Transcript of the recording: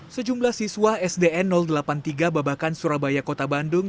sejumlah siswa sdn delapan puluh tiga babakan surabaya kota bandung